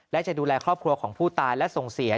และจะดูแลครอบครัวของผู้ตายและส่งเสีย